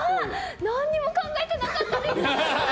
何も考えてなかったです！